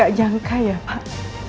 jangan jangka ya pak